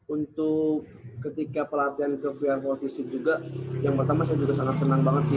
untuk ketika pelatihan ke vr empat fisik juga yang pertama saya juga sangat senang banget sih